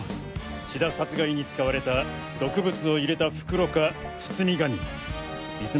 志田殺害に使われた毒物を入れた袋か包み紙も。